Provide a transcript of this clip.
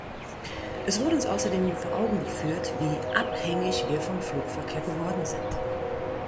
Es wurde uns außerdem vor Augen geführt, wie abhängig wir vom Flugverkehr geworden sind.